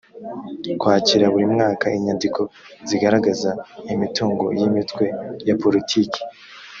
kwakira buri mwaka inyandiko zigaragaza imitungo y’imitwe ya politiki